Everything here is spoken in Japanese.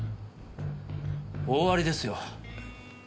大ありですよ。